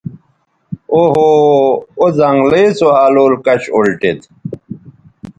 او ہو او زنگلئ سو الول کش اُلٹید